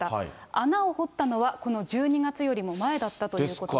穴を掘ったのは、この１２月よりも前だったということです。